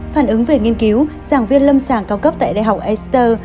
phản ứng về nghiên cứu giảng viên lâm sàng cao cấp tại đại học ester